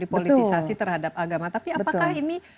politisasi terhadap agama tapi apakah ini